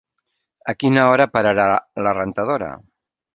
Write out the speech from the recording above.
A quina hora pararà la rentadora?